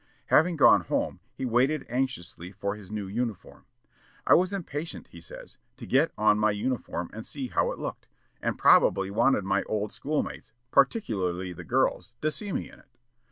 Having gone home, he waited anxiously for his new uniform. "I was impatient," he says, "to get on my uniform and see how it looked, and probably wanted my old school mates, particularly the girls, to see me in it.